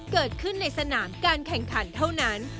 เกิดขึ้นในสนามการแข่งขันเท่านั้น